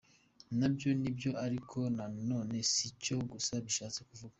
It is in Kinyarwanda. Nabyo ni byo ariko na none si cyo gusa bishatse kuvuga:.